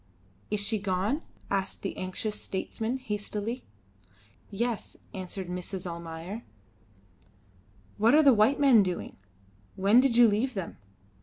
"Is she gone?" asked the anxious statesman, hastily. "Yes," answered Mrs. Almayer. "What are the white men doing? When did you leave them?"